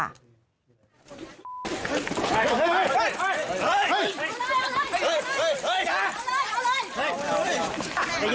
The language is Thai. เรียบร้อย